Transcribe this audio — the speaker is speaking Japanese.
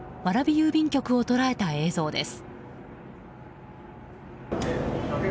郵便局を捉えた映像です。